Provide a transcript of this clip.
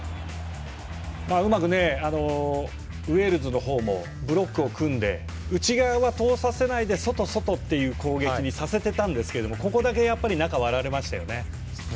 うまく、ウェールズの方もブロックを組んで内側は通させないで外、外っていう攻撃にさせてたんですけどここだけ中割られましたよね。